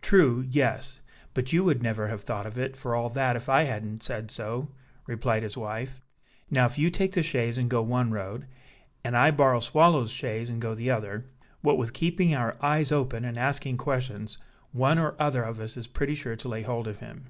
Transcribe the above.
"True! yes; but you would never have thought of it for all that, if I hadn't said so," replied his wife. "Now, if you take the chaise and go one road, and I borrow Swallow's chaise and go the other, what with keeping our eyes open, and asking questions, one or other of us is pretty sure to lay hold of him."